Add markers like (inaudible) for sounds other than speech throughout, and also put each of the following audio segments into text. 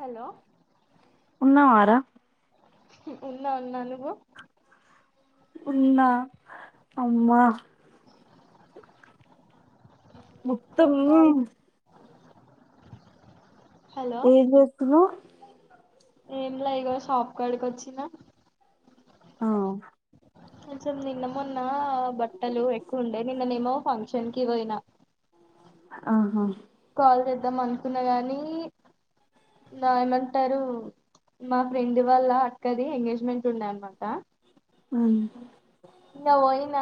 Hello ఉన్నావారా ఉన్నా ఉన్నా నువ్వు ఉన్నా అమ్మా మొత్తం చెప్పాలి హలో ఏం చేస్తున్నావ్ ఏం లే ఇగో షాప్ కాడికి వచ్చినా ఆ అసలు నిన్న మొన్న బట్టలు ఎక్కువ ఉండే నిన్ననేమో ఫంక్షన్ కి పోయినా ఆహా కాల్ చేద్దాం అనుకున్న గాని నా ఏమంటారు మా ఫ్రెండ్ వాల్ళ అక్కది ఎంగేజ్మెంట్ ఉన్నాయమ్మాట అ (unintelligible) ఇంగా పోయినా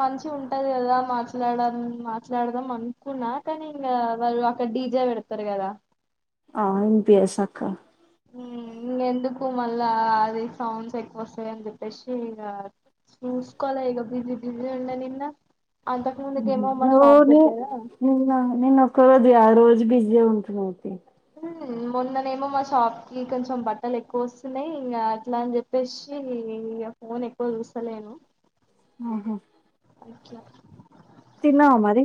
మంచి ఉంటది కదా మాట్లాడ మాట్లాడదాం అనుకున్నా పక్క ఇంగా వాళ్ళు అక్కడ డీజే పెడతారు కదా ఆ ఎంపిఎస్ అక్క ఇంగా ఎందుకు మళ్ళా అది సౌండ్స్ ఎక్కువ వస్తాయ అని చెప్పేసి చూస్కోల ఈగ బిజి బిజి ఉండే నిన్న అంతకు ముందుకేమో మా నువ్వు షాప్ నీ దగ్గర నిన్న నిన్నొక్కరోజు కాద్ రోజు బిజి ఉంటున్నావ్ తి హే మొన్ననేమో మా షాప్ కి కొంచెం బట్టలు ఎక్కువ వస్తున్నాయి ఇంకా అట్లా అని చెప్పేసి నేన్ ఇగ ఫోన్ ఎక్కువ చూస్తలేను ఉహు ఐక్య తన్నావా మరి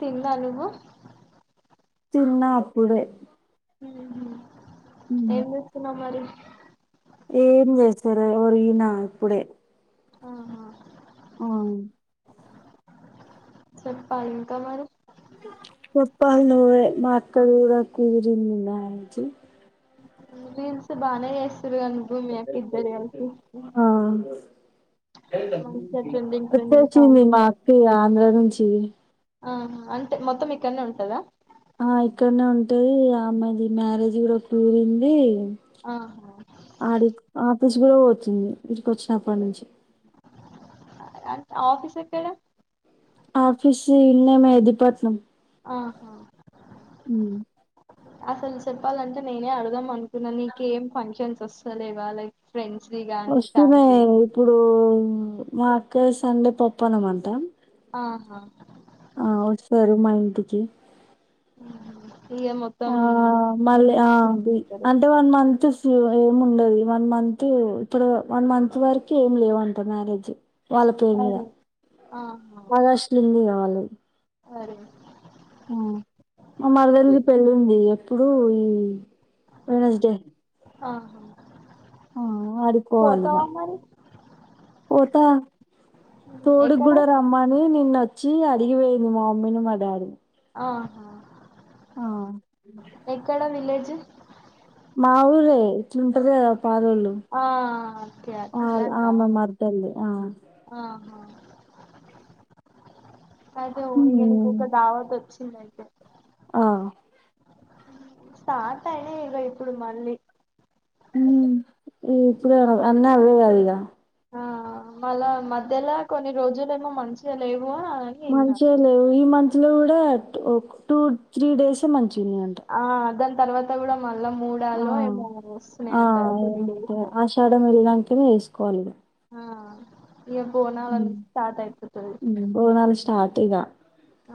తిన్న నువ్వు తిన్నా అప్పుడే ఉహు ఏం చేస్తున్నావ్ మరి ఏం జెసెలే ఒరిగినా ఇప్పుడే ఆహా ఆ చెప్ప ఇంకా మరి చెప్పాలి నువ్వే మా అక్కది కూడా కుదిరింది మ్యాచ్ నువ్ రిల్సు బానే ఎస్ ఆ మంచిగా ట్రెండింగ్ వచ్చ ట్రెండింగ్ వచ్చింది సాంగ్స్ మా పైన అక్క ఇగ ఆంధ్ర నుంచి ఆహా అంటే మొత్తం ఇక్కన్నే ఉంటదా ఆ ఇక్కడనే ఉంటది ఆ అమ్మాయిది మ్యారేజ్ కూడా కుదిరింది ఆహా ఆడి ఆఫీస్ కూడా పోవచ్చింది ఇడికి వచ్చినప్పటి నుంచి కాద్ ఆఫీస్ ఎక్కడ ఆఫీస్ ఇల్నే మేదిపట్నం ఆహా అసలు చెప్పాలంటే నేనే అడదాం అనుకు కున్నె నీక ఏం ఫంక్షన్స్ వస్తాలేవా లైక్ ఫ్రెండ్స్ వి గానీ వస్తునై ఫ్యామిలీ ఇప్పుడు మా అక్క సండే పప్పనమంటాం ఆహా ఆ వస్తారు మా ఇంటికి ఇగ మొత్తం ఆ మళ్ళీ బిజీ ఆ బిజీ అది అయిపోతారు అంటే వన్ మంత్ ఫీవ ఏం ఉండదు ఈ వన్ మంత్ ఇప్పుడు వన్ మంత్ వరకు ఏమి లేవంట మ్యారేజ్ వాళ్ళ పేరు మీద అరే ఆహా వరశలు ఉందిగా వాళ్ళ అరే ఉమ్ మా ఇంకే మరదలది పళ్ల్ ఉంది ఏప్ ప్పుడు ఈ వెనస్డే ఆహా ఆ ఆడిపోవాలి పోతావా మరి అ ఉమ్, ఎక్కడ తొడుగూడా రమ్మనీ నేను నిన్న వచ్చి అడిగిపోయింది మా మమ్మీని మా డాడీని అహా ఆ ఎక్కడ విలేజ్ మాఊరే ఇంట్లుంటది గద పాలొల్లు ఆ ఓకే అట్లనా ఆమె మా మర్దల్ది ఆ ఆహా అయితే ఊరిగా హ్మ్ నీకొక ధావత్ వచ్చింది అయితే ఆ స్టార్ట్ అయినా ఇగ ఇప్పుడు మళ్ళీ ఉమ్ ఇప్పుడ అన్నీ అవే కాద ఇగ ఆ మళ్ళ మధ్యలో కొన్ని రోజులు ఏమో మంచిగా లేవు అని విన్నా మంచిగ లేవు ఈ మంత్ లో కూడా టూ త్రీ డేసే మంచి గున్నాయంట ఆ దాని తర్వాత కూడా మళ్ళా మూడల్లో ఏమో ఆ వస్తున్నాయంటారు కొన్ని డేస్ తిని ఏసుకోవాలి ఇగ ఆ ఇక బోనాల హ్మ్ స్టార్ట్ అయిపోతది బోనాలు స్టార్ట్ ఇగ ఆ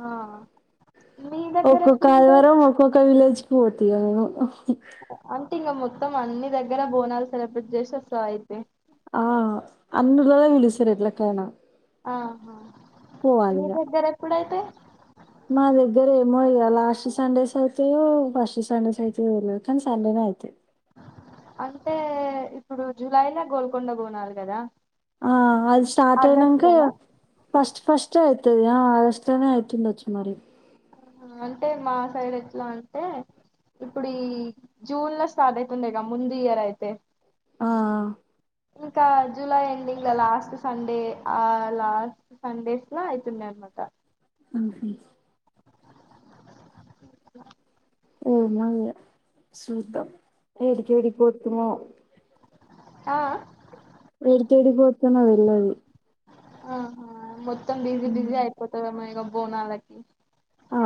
మీ దగ్గర ఒక్కొక్క ఎప్పుడుంటాయి ఆదివారం ఒక్కొక్క విలేజ్కి పోత ఇగ నేను అంటే ఇంగ మొత్తం అన్ని దగ్గర బోనాలు సెలబ్రేట్ చేస్సోసా అయితే ఆ అన్నిఒర్ల్లు పిలుస్తారు ఎట్లకైన ఆహా మీ దగ్గర ఎప్పుడయితయి మా దగ్గర ఏమో ఇగ లాస్ట్ సండేస్ అయితయో ఫస్ట్ సండేస్ అయితయో తెల్వదు కానీ సండేనే అయితాయి అంటే ఇప్పుడు జూలై లో గోల్కొండ బోనాలు కదా ఆ అది స్టార్ట్ ఆగస్టు అయినంక ఇగ లోనా ఫస్ట్ ఫస్ట్ స్ట్ అయితది ఆగస్టు లోనే అయితుంది చ్చు మరి ఆ అంటే మా సైడ్ ఎట్లా అంటే ఇప్పుడు ఈ జూన్ లో స్టార్ట్ అయితుండే గా ముందు ఇయర్ అయితే ఆ ఇంకా జూలై ఎండింగ్ గ్ల లాస్ట్ సండే ఆ లాస్ట్ సండేస్ లో అయితుండె అనమాట హ్మ్ హు ఏ మా సూతం ఏడిక ఏడి పోతుమ ఆ ఆ ఏడీకి ఏడీకి పోతున్నవే (unintelligible) ఆహా మొత్తం బిజీ బిజీ అయిపోతదేమో ఇగ బోనాలకి ఆ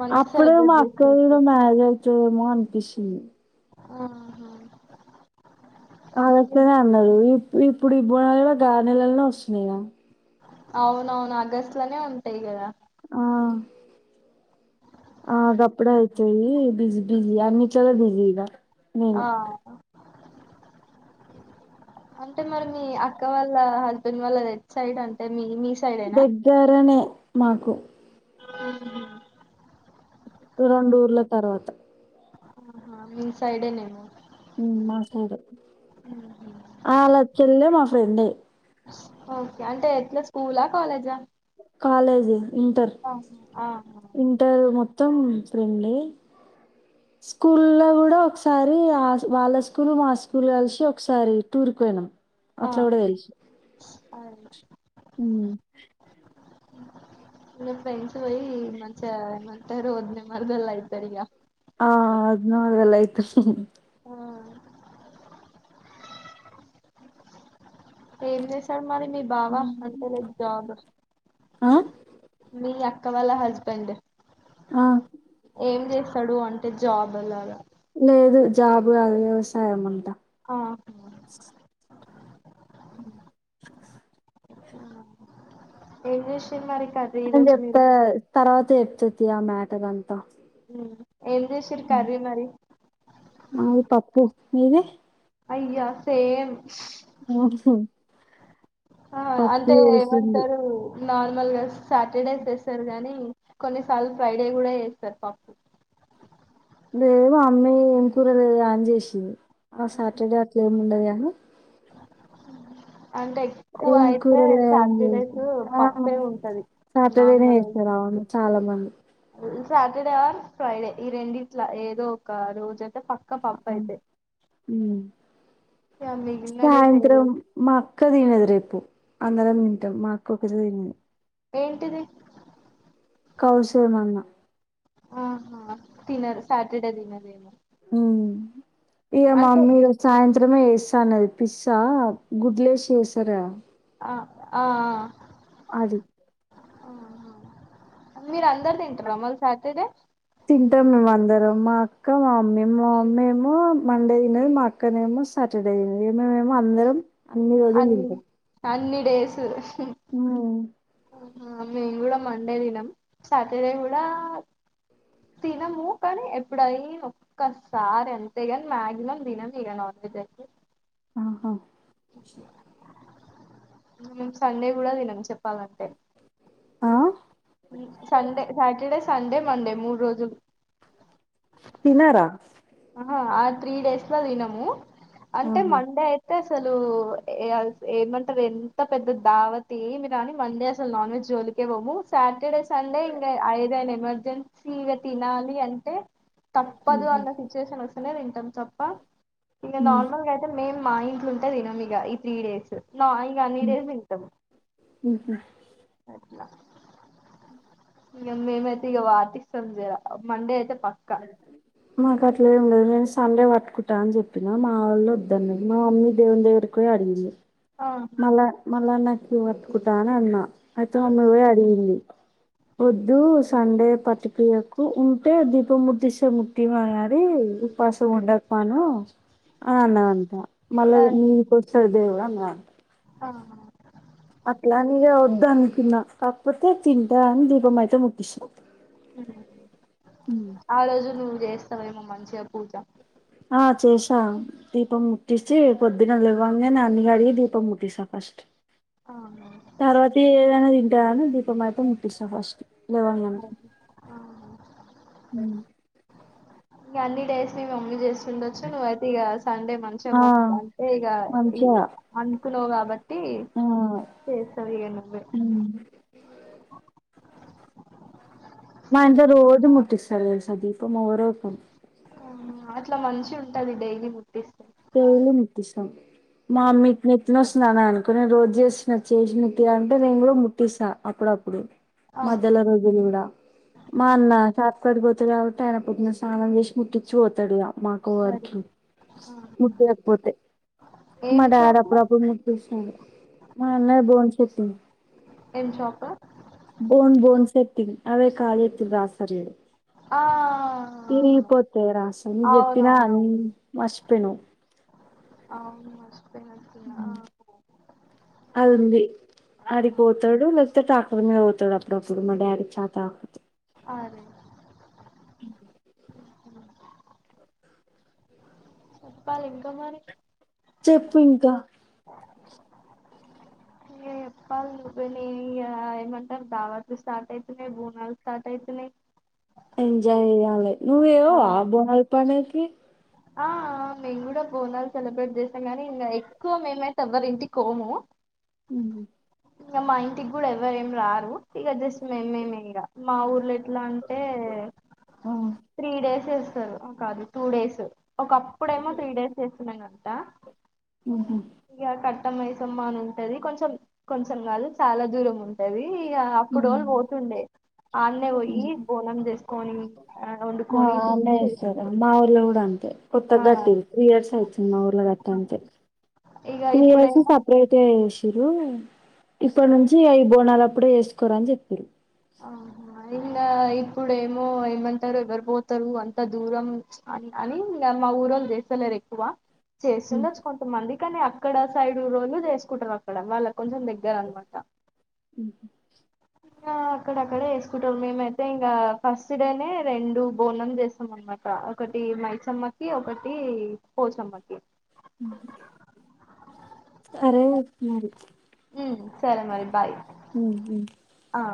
మంచి అప్పుడు సెలబ్రేట్ మాకు ఇంగ చేస్తారు బాగై చు ఏమో అనిపిస్తుంది ఆహా ఆగస్ట్ లోనే అన్నరు ఇప్ ఇప్పుడు ఇబ్ బోనలో గగా నెలనే వస్తున్నాయి ఇగ అవునవును ఆగస్ట్లోనే ఉంటాయి గద ఆ గప్పుడే చయి బిజి బిజి అన్నింట్లలో బిజి ఇగ నేను ఆ అంటే మరి మీ అక్క వాళ్ళ హస్బెండ్ వాళ్ళ రెడ్ సైడ్ అంటే మీ మీ సైడేనా దెగ్గరనే మాకు హ్మ్ హు రోండుర్ల తర్వాత ఆహా మీ సైడే నేమో మ్మ్ మా సైడే అలాచ్చళ్లే మా ఫ్రెండే ఓకే అంటే ఎట్లా స్కూలా కాలేజా కాలేజీ ఇంటర్ ఆహా ఆహా ఇంటర్ మొత్తం ఫ్రెండే స్కూల్ లో కూడా ఒకసారి ఆ వాళ్ళ స్కూల్ మా స్కూల్ కలిసి ఒకసారి టూర్ కి పోయినాం అట్ల కూడా తెలుసు ఆ అదే మ్మ్ గ ఇ ఫ్రెండ్స్ పోయి మంచిగ ఏమంటారు ద్ మరదల్ అయితారు ఇగ ఆ అదిన మరదల్లు అయితారు ఆ ఎం చేశాడు మరి మీ బావా అంతేలే జాబ్ ఆ మీ అక్క వాళ్ళ హస్బెండ్ ఆ! ఏం చేస్తాడు అంట జాబ్ అలగా లేదు జాబు అ వ్యవసాయం అంటా ఆ ఉ ఏంచేస్తారు మళ్లీ అ చెప్తా తర్వాత చెప్తతి ఆ మ్యాటర్ అంతా ఏం చేసిర్రు కర్రీ మరి మాది పప్పు మీరే అయ్యా సేమ్ ఆ పప్పు అంటే చేసింది. ఏమంటారు నార్మల్ గా సాటర్డేస్ వేస్తారు గానీ కొన్నిసార్లు ఫ్రైడే కూడా వేస్తారు పప్పు జ లేేవు ఆ అమ్మాయి ఏం కూరలే అని చేసింది ఆ సాటర్డే అట్ల ఏమి ఉండదు ఆ అంటే ఎక్కువ అయితే ఏంకూరల సాటర్డేస్ పప్పే ఉంటది సాటర్డేనే నార్మల్ హతార అవు చాలా మంది సాటర్డే ఆర్ ఫ్రైడే ఈ రెండిట్ల ఏదో ఒక రోజు పక్క పప్పు అవును అయితే హ్మ్. ఇగ మిగిలిన డేస్ ఏదో సాయంత్రం మ అక్క (unintelligible) అందర మనింట మాకు ఒకటి తరింది ఏంటిది కౌశలమన్న ఆహా తినరు సాటర్ డే తినరేమో ఇ అంటే మమీ ర సాయ మాత్రమే వేస్తానుది పిజ్సా గుడ్లేసి చేసారా ఆ ఆ అది మీరు అందరు తింటారు అమ్మలు స అతతే తింటాం మేము అందరం మా అక్క మా మమ్మీ మా మమ్మీ ఏమో మండే తినేది మా అక్కనే ఏమో సాటర్డేమ మేమ అందరం అన్ని రోజు రేసూ హ ఆ మేము కూడా మండే దినం సాటర్ డే కూడా తినము కానీ ఎప్పుడయి ఒక్కసారి అంతేగాని మ్యాగసిమం దినం ఇరన అయితే ఆహా సండే కూడాదినం చెప్ప ఆ సండే సాటర్డే సండే మండే మూడు రోజులు తినారా ఆ ఆ త్రీ డేస్ లో తినము అంటే ఆహా మండే అయితే ఐతే అసలు ఏమంటర్ ఎంత పెద్ద దావతేమి రాని మండే అసలు నాన్ వెజ్ జోలికి పోము సాటర్డే సండే ఇంకా ఐదైనా ఎమర్జెన్సీ ఇగ తినాలి అంటే తప్పదు ఉహు అన్న సి వాలొస్తలేరు వింటం తప్పా ఇగ ఉమ్. నార్మల్ గైతే మే మా ఇంట్లొ ఉంటే తినమిగ ఈ త్రీ డేస్ నా ఇ అన్ని డేస్ ఇంటము ఉహు అట్లా ఇగ మేమైతే ఇక పాటిస్తం జరా మండే అయితే పక్కా మాగ లే లేదు నేను సండే పట్టుకుంటా అని చెప్పినా మా వాళ్ళ వద్దదున్న మా మమ్మీ దేవుని దగ్గరకి అడిగింది ఆహా మళ్ళా మళ్ళా నాకి పట్కుంటా అని అన్న అయితే ఆ ను్వే అడిగింది వద్దు సండే పతికయకు ఉంటే ది ఇప్పు ముదిశ ముట్టటి మారి ఉ పాసం ఉండ పన ఆ నంటా మళ్ళీ మీ (unintelligible) అదే న్నమాట ఆహా అట్లానే ఇగ వద్దనుకున్నా కాకపోతే తింటా అని దీపం అయితే ముటిస్త ఆ రోజు నువ్ చేస్తావేమో మంచిగ పూజ ఆ చేసా దీపం ముట్టిచి పొద్దున్న లేవంగనే అన్ని కడిగి దీపం ముట్టిస్తా ఫస్ట్ తర్వాతకి ఏదనా తింటా గానీ దీపం అయితే ముటిస్తా ఫస్ట్ లేవాను ఇం అన్ని డేస్ని మంగ చేస్తాం చూండొచ్చు నువ్వయితే ఇక సండే మంచి ఆ మొకు అంటే ఇక మంచిగా అనుకున్నావు్ కాబట్టి ఆ సరగా నుంది నా ఇంతా రోజ ముటికి స సదీపమా రక్క అట్లా మంచిగ ఉంటది డైలీ ముట్టిస్తే తేలు నితసం మా అమ్మీకి నెత్తనొస్తుంది అని అనుకుని రోజు చేసిన చేసినతే అంటే నేను కూడా ముట్టిస్తా అప్పుడప్పు ఆ, మధలో రోజ మా అట్ కాబట్టి అయిన పొద్దున స్నానం చేసి ముట్టిచి పోతడిగ మాకు మరి వారికి ఆ, ముటి ఆక్పోతే మా ఏం డాడ్ షాపు అప్పుడప్పుడు ముటిస్తుండే మా అన్నయ బోం చేతుండు ఎం షాపు బోన్ బోన్ సెటింగ్ అవే కాల నొపులకి‌ రాస్తారు చూడు ఆ తరిగిపోతే రాసని చెప్పినా అ అవునవునవును మచ్చపోను అవును మ మ్ అదుంది ఆ, అడికిపోతాడు లేకపోతే అ బండి మీద పోతాడు అప్పుడప్పుడు మా డాడీ చాత అ అ చెప్పాలి ఇంక మరి చెప్పు ఇంకా చెప్పాల చపోయినా ఇ ఏమంటారు దావట్లు స్టార్ట్ అయితున్నాయి బోనాలు స్టార్ట్ అవుతున్నాయి ఎంజాయ్ చేయాలే నువ్వు చేయవా బోనాల్ పండగకి ఆ మేం కూడా బోనాలు సెలబ్రేట్ చేస్తాం కానీ ఇంకా ఎక్కువ మేమైతే ఎవ్వరి ఇంటికి పోము మ్ హూ ఇంగ మా ఇంటికి కూడా ఎవ్వరేం రారు ఇగ జస్ట్ మేమేమె ఇగ మా ఊర్లో ఎట్లా అంటే ఆ త్రీ డేస్ ఇస్తరూ కాదు టూ డేస్ ఒకప్పుడేమో త్రీ డేస్ చేస్తుండేనంటా ఉహా పట్టమైసమ్మా అని ఉంటది కొంచెం కొంచెం కాదు చాలా దూరం ఉంటది ఇగ అప్పుడోళ్ళు ఉమ్. పోతుండే ఆడన్నే పోయి బోనం చేసుకొని ఆ ఆ వండుకొని తినేసొస్తరు కొత్తగా గట్టిది త్రీ ఇయర్స్ అయితు మా ఊర్లో గట్ట అంతే ఇగ త్రీ ఇయర్స్ ఇప్పుడేమో సెపరేటే చే ఇప్పటి నుంచి అవి బోనాాల అప్పుడే వేసుకోరా అని చెప్పారు ఆ ఐన ఇప్పుడు ఏమో ఏమంటారు ఎవరు పోతారు అంత దూరం అన్ అని ఇంగా మా ఊరోళ్ళు చేస్తలేరు ఎక్కువ చేస్తుండొచ్చు కొంతమంది కానీ అక్కడ సైడ్ ఊరోళ్లు చేసుకుంటారు అక్కడ వాళ్ళకు కొంచం దగ్గర అన్నమాట అక్కడ అక్కడే వేసుకుంటరు మేమైతే ఇంగా ఫస్ట్ డేనే రెండు బోనం చేస్తాం అన్నమాట ఒకటి ఒకటి మైసమ్మకి ఒకటి పోచమ్మకి సరే మరి ఉమ్, సరే మరి బాయ్ హు హు ఆ